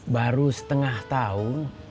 baru setengah tahun